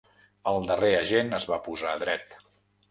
El darrer agent es va posar dret.